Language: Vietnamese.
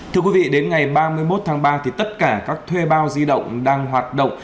thưa quý vị đến ngày ba mươi một tháng ba tất cả các thuê bao di động đang hoạt động